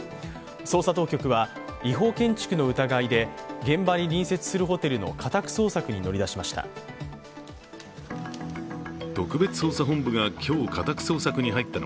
捜査当局は違法建築の疑いで現場に隣接するホテルの家宅捜索に乗り出しました。